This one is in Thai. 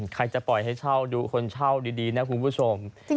ใครจะปล่อยให้เช่าดูคนเช่าดีนะคุณผู้ชม